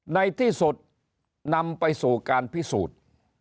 ในที่สุดนำไปสู่การพิสูจน์